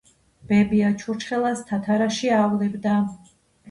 ბებია ჩურჩხელას თათარაში ავლებდა